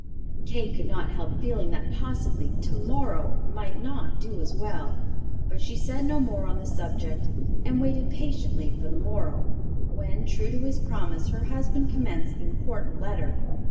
Kate could not help feeling that, possibly, "tomorrow" might not do as well; but she said no more on the subject, and waited patiently for the morrow, when, true to his promise, her husband commenced the important letter.